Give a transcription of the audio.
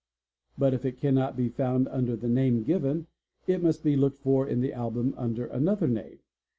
But if it cannot be found under the name given, it must be looked for in the album under another name.